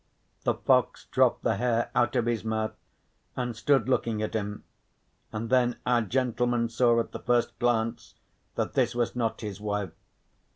The fox dropped the hare out of his mouth and stood looking at him, and then our gentleman saw at the first glance that this was not his wife.